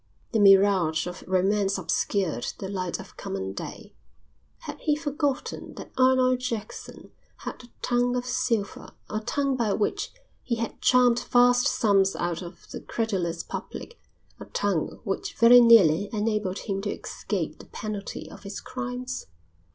The mirage of romance obscured the light of common day. Had he forgotten that Arnold Jackson had a tongue of silver, a tongue by which he had charmed vast sums out of the credulous public, a tongue which very nearly enabled him to escape the penalty of his crimes?